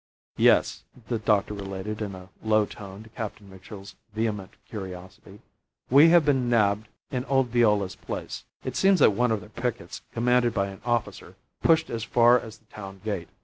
"Yes," the doctor related in a low tone to Captain Mitchell's vehement curiosity, "we have been nabbed in old Viola's place. It seems that one of their pickets, commanded by an officer, pushed as far as the town gate.